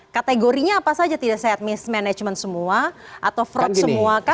kategorinya apa saja tidak sehat mismanagement semua atau fraud semua kah